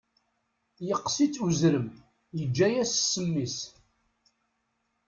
Yeqqes-itt uzrem, yeǧǧa-yas ssem-is.